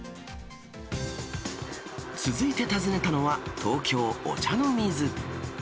続いて訪ねたのは、東京・お茶の水。